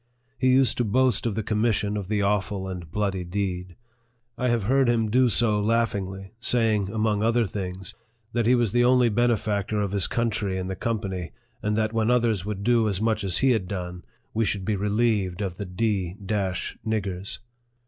He used to boast of the commission of the awful and bloody deed. I have heard him do so laughingly, saying, among other things, that he was the only benefactor of his country in the company, and that when others would do as much as he had done, we should be relieved of " the d d niggers."